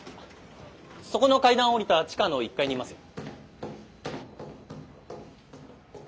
そこの階段下りた地下の１階にいますよ。